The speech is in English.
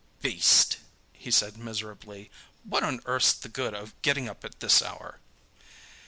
"Beast!" he said miserably. "What on earth's the good of getting up at this hour?"